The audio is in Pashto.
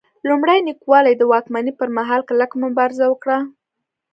لومړي نیکولای د واکمنۍ پرمهال کلکه مبارزه وکړه.